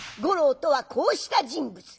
五郎とはこうした人物。